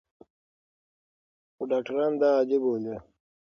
خو ډاکټران دا عادي بولي.